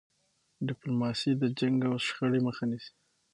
ډيپلوماسي د جنګ او شخړې مخه نیسي.